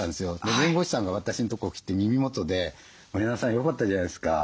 弁護士さんが私んとこ来て耳元で「森永さんよかったじゃないですか。